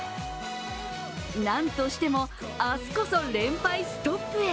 なんとしても明日こそ連敗ストップへ。